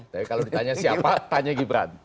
tapi kalau ditanya siapa tanya gibran